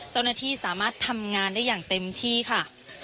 เจ้าหน้าที่สามารถทำงานได้อย่างเต็มที่ค่ะ